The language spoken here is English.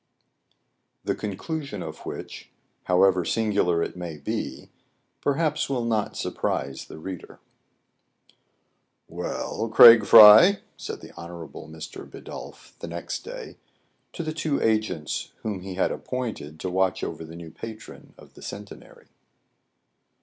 THE CONCLUSION OF WHICH, HOWEVER SINGULAR IT MAY BE, PERHAPS WILL NOT SURPRISE THE READER. Well, Craig Fry ?*' said the Honorable Mr. Bidulph, the next day, to the two agents whom he had appointed to watch over the new patron of the Centenary.